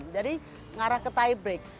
jadi ngarah ke tiebreak